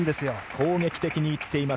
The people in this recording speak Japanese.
攻撃的にいっています